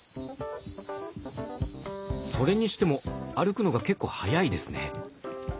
それにしても歩くのが結構速いですね。